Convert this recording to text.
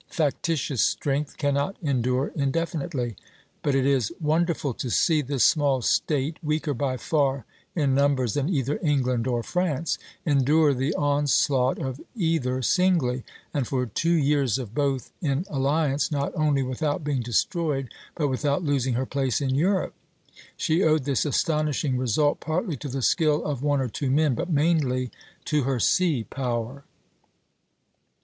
Factitious strength cannot endure indefinitely; but it is wonderful to see this small State, weaker by far in numbers than either England or France, endure the onslaught of either singly, and for two years of both in alliance, not only without being destroyed, but without losing her place in Europe. She owed this astonishing result partly to the skill of one or two men, but mainly to her sea power.